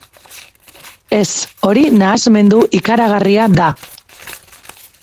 Ez, hori nahasmendu ikaragarria da.